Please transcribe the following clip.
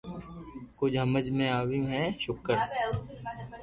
ڪجھ ھمج ۾ آويو ھي ݾڪر